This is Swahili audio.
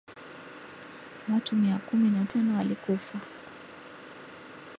watu mia kumi na tano walikufa